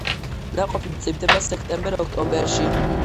ნაყოფი მწიფდება სექტემბერ-ოქტომბერში.